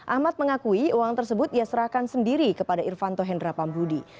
ahmad mengakui uang tersebut ia serahkan sendiri kepada irfanto hendra pambudi